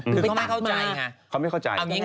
เขาไม่เข้าใจ